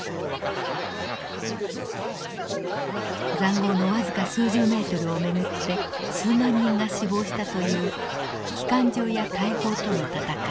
塹壕の僅か数十メートルを巡って数万人が死亡したという機関銃や大砲との戦い。